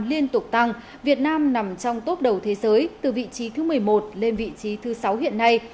liên tục tăng việt nam nằm trong tốp đầu thế giới từ vị trí thứ một mươi một lên vị trí thứ sáu hiện nay